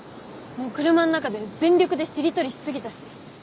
車の中で全力でしりとりしすぎたし。